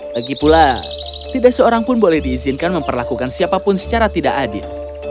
lagi pula tidak seorang pun boleh diizinkan memperlakukan siapapun secara tidak adil